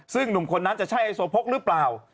ซึ่งหนุ่มคนนั้นจะใช่ไฮโซโพกหรือเปล่า